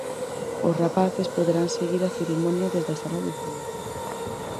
Os rapaces poderán seguir a cerimonia desde a sala de cine.